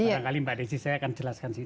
barangkali mbak desi saya akan jelaskan sih